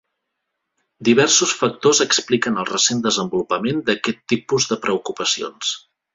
Diversos factors expliquen el recent desenvolupament d'aquest tipus de preocupacions.